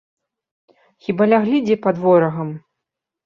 Хіба ляглі дзе пад ворагам?